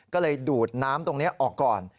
ก็เลยดูดน้ำตรงนี้ออกก่อน